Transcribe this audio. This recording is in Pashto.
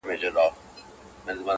ډیک په هر ځنګله کي ښاخ پر ښاخ کړېږي؛